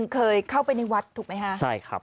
เคยเข้าไปในวัดถูกไหมฮะใช่ครับ